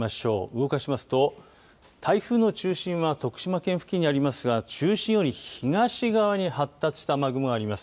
動かしますと台風の中心は徳島県付近にありますが中心より東側に発達した雨雲があります。